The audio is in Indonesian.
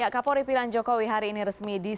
kapolri pilan jokowi hari ini resmi di banyuwangi